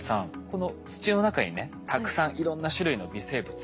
この土の中にねたくさんいろんな種類の微生物がいます。